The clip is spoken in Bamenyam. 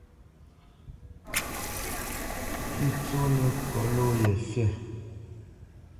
Pʉ̌ tsónə́ kot ló ye fî.